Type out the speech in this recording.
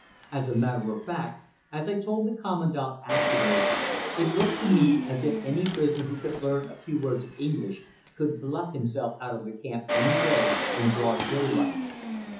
As a matter of fact, as I told the commandant afterwards, it looked to me as if any prisoner who could learn a few words of English could bluff himself out of the camp any day in broad daylight.